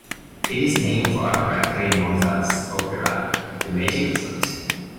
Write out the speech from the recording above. It is named for a character in Mozart's opera, "The Magic Flute".